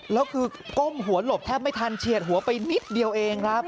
แล้วคือก้มหัวหลบแทบไม่ทันเฉียดหัวไปนิดเดียวเองครับ